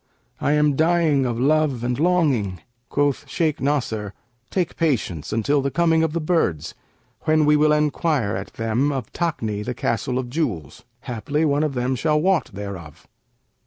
I am dying of love and longing.' Quoth Shaykh Nasr, 'Take patience until the coming of the birds, when we will enquire at them of Takni, the Castle of Jewels; haply one of them shall wot thereof.'